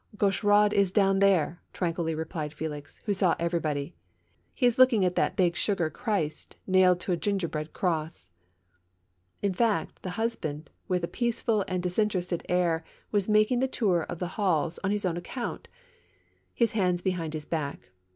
" Gaucheraud is down there," tranquilly replied F^lix, who saw everybod3^ " He is looking at that big sugar Christ nailed to a gingerbread cross." In fact, the husband, with a peaceful and disinterested air, was making the tour of the halls on his own account, his hands behind his back.